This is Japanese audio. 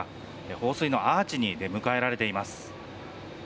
放水のアーチに出迎えられています。